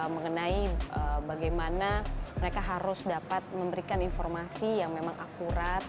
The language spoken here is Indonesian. mengenai bagaimana mereka harus dapat memberikan informasi yang memang akurat